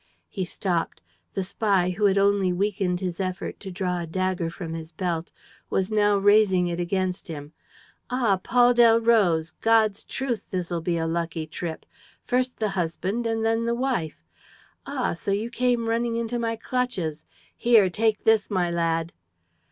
He stopped. The spy, who had only weakened his effort to draw a dagger from his belt, was now raising it against him: "Ah, Paul Delroze! ... God's truth, this'll be a lucky trip! ... First the husband and then the wife. ... Ah, so you came running into my clutches! ... Here, take this, my lad!